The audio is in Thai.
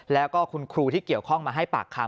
แล้วก็คุณครูที่เกี่ยวข้องมาให้ปากคำ